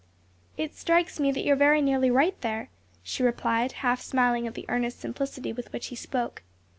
"It strikes me that you are very nearly right there," she replied, half smiling at the earnest simplicity with which he spoke.